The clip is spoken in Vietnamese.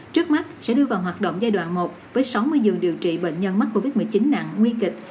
trước mắt sẽ đưa vào hoạt động giai đoạn một với sáu mươi giường điều trị bệnh nhân mắc covid một mươi chín nặng nguy kịch